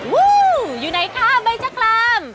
วู้อยู่ไหนคะใบจักราม